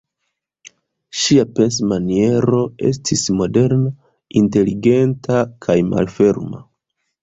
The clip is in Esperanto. Ŝia pensmaniero estis moderna, inteligenta kaj malferma.